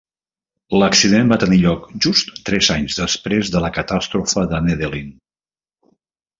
L'accident va tenir lloc just tres anys després de la catàstrofe de Nedelin.